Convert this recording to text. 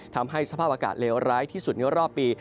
ทำให้สภาพอากาศเลวร้ายที่สุดในรอบปี